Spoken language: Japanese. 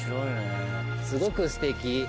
すごくすてき。